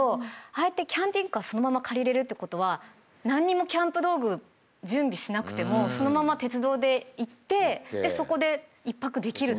ああやってキャンピングカーそのまま借りれるってことは何にもキャンプ道具準備しなくてもそのまま鉄道で行ってそこで１泊できる。